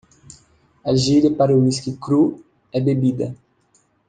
A gíria para o uísque cru é bebida.